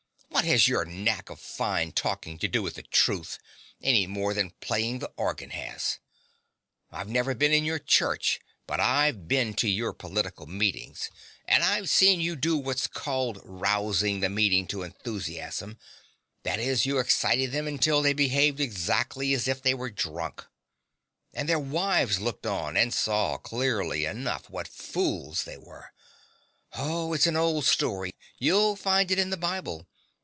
What has your knack of fine talking to do with the truth, any more than playing the organ has? I've never been in your church; but I've been to your political meetings; and I've seen you do what's called rousing the meeting to enthusiasm: that is, you excited them until they behaved exactly as if they were drunk. And their wives looked on and saw clearly enough what fools they were. Oh, it's an old story: you'll find it in the Bible.